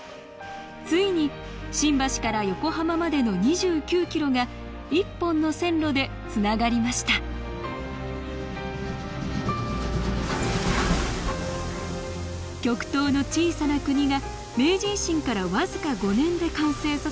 ついに新橋から横浜までの２９キロが一本の線路でつながりました極東の小さな国が明治維新から僅か５年で完成させた鉄道。